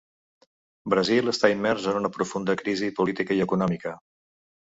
Brasil està immers en una profunda crisi política i economia.